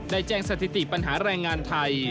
ได้แจ้งสถิติปัญหาแรงงานไทย